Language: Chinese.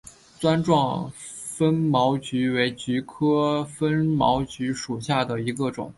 钻状风毛菊为菊科风毛菊属下的一个种。